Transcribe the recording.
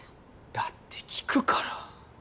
だって聞くから！